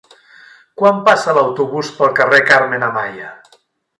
Quan passa l'autobús pel carrer Carmen Amaya?